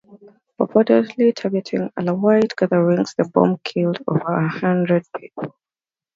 Purportedly targeting Alawite gatherings, the bombs killed over a hundred people.